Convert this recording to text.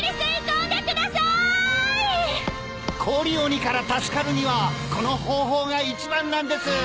氷鬼から助かるにはこの方法が一番なんです！